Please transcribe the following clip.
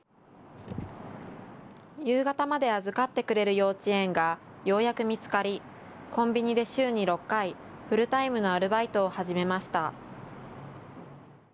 夕方まで預かってくれる幼稚園がようやく見つかりコンビニで週に６回、フルタイムのアルバイトを始めました。